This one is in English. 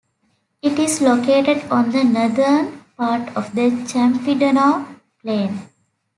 It is located on the northern part of the Campidano plain.